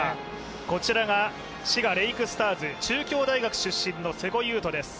こちらが滋賀レイクスターズ、中京大学出身の瀬古優斗です。